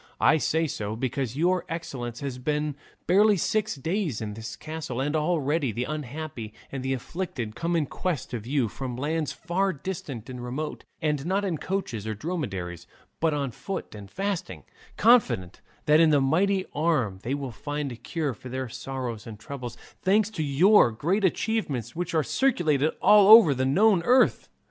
I say so, because your excellence has been barely six days in this castle, and already the unhappy and the afflicted come in quest of you from lands far distant and remote, and not in coaches or on dromedaries, but on foot and fasting, confident that in that mighty arm they will find a cure for their sorrows and troubles; thanks to your great achievements, which are circulated all over the known earth."